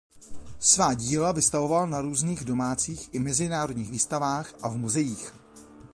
Svá díla vystavoval na různých domácích i mezinárodních výstavách a v muzeích.